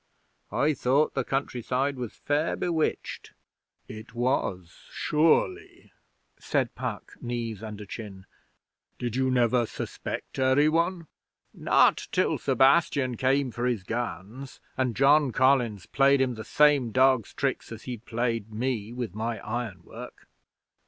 I thought the countryside was fair bewitched.' 'It was, sure ly,' said Puck, knees under chin. 'Did you never suspect ary one?' 'Not till Sebastian came for his guns, and John Collins played him the same dog's tricks as he'd played me with my ironwork.